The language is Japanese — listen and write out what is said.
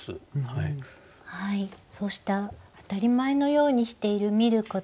そうした当たり前のようにしている見ること。